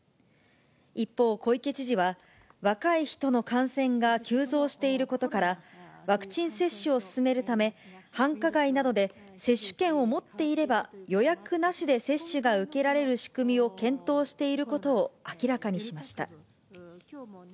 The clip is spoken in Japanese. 一方、小池知事は、若い人の感染が急増していることから、ワクチン接種を進めるため、繁華街などで接種券を持っていれば、予約なしで接種が受けられる仕組みを検討していることを明らかにしました。